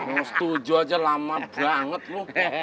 mau setuju aja lama banget loh